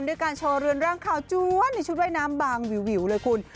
ด้วยการโชว์เรือนร่างขาวจวนในชุดว่ายน้ำบางวิวเลยคุณ